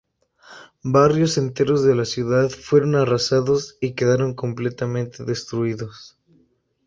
Barrios enteros de la ciudad fueron arrasados y quedaron completamente destruidos.